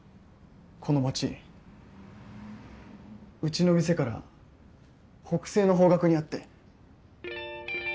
この町うちの店から北西の方角にあって。